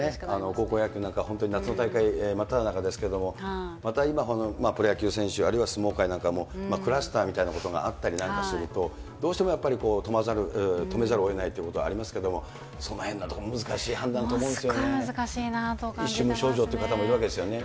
高校野球なんか、本当に夏の大会真っただ中ですけども、また今、プロ野球選手、あるいは相撲界なんかも、クラスターなんかみたいなことがあったりなんかすると、どうしてもやっぱり、止めざるをえないということもありますけど、そのへんのところ、すごい難しいなと感じてます無症状という方もいらっしゃいますしね。